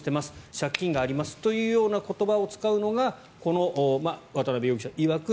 借金がありますというような言葉を使うのがこの渡邊容疑者いわく